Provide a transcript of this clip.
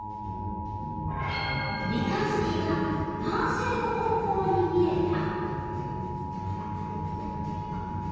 三日月が南西の方向に見えた。